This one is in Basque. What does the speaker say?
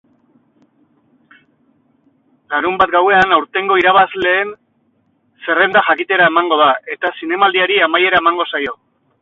Larunbat gauean aurtengo irabazleen zerrenda jakitera emango da eta zinemaldiari amaiera emango zaio.